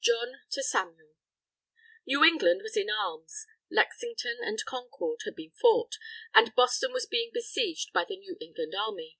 JOHN TO SAMUEL New England was in arms. Lexington and Concord had been fought, and Boston was being besieged by the New England Army.